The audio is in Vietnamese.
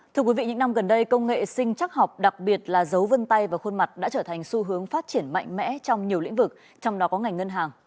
thưa quý vị những năm gần đây công nghệ sinh chắc học đặc biệt là giấu vân tay và khuôn mặt đã trở thành xu hướng phát triển mạnh mẽ trong nhiều lĩnh vực trong đó có ngành ngân hàng